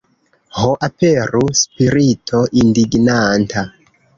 Ho, aperu, Spirito indignanta!